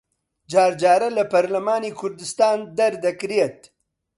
جار جارە لە پەرلەمانی کوردستان دەردەکرێت